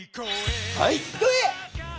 はい。